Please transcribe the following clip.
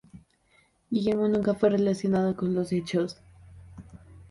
Guillermo nunca fue relacionado con los hechos.